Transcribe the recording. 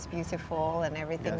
dan semuanya terlihat indah